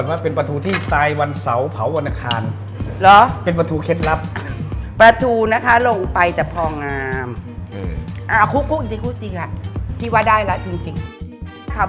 เมี่ยมประทูค่ะหนังอุดวัดดีเลยไหมครับ